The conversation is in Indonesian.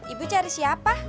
ibu cari siapa